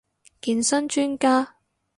健身專家